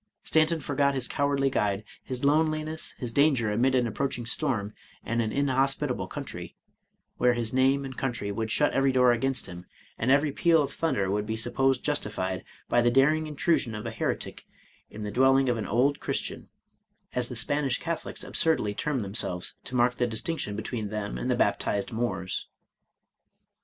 Stanton forgot his cowardly g^ide, his loneliness, his danger amid an approaching storm and an inhospitable country, where his name and country would shut every door against him, and every peal of thunder 170 Charles Robert Maturin would be supposed justified by the daring intrusion of a heretic in the dwelling of an old Christian^ as the Spanish Catholics absurdly term themselves, to mark the distinction between them and the baptized Moors.